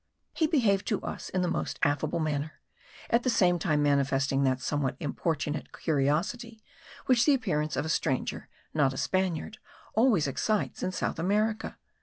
He behaved to us in the most affable manner, at the same time manifesting that somewhat importunate curiosity which the appearance of a stranger, not a Spaniard, always excites in South America.